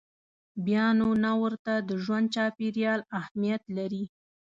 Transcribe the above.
بیا نو نه ورته د ژوند چاپېریال اهمیت لري.